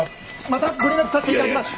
またご連絡さしていただきます。